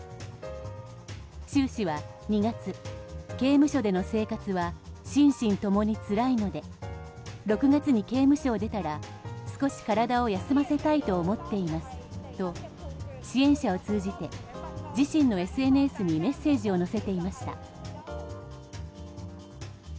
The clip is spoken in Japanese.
シュウ氏は２月刑務所での生活は心身共につらいので６月に刑務所を出たら少し体を休ませたいと思っていますと支援者を通じて自身のＳＮＳにメッセージを載せていました。